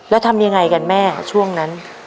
แล้วทำยังไงกันแม่ช่วงนั้น